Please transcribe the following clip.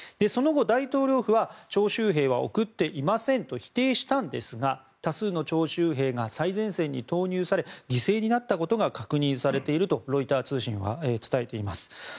その後、大統領府は徴集兵は送っていませんと否定したんですが多数の徴集兵が最前線に投入され犠牲になったことが確認されているとロイター通信は伝えています。